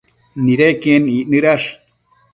nidequien icnëdash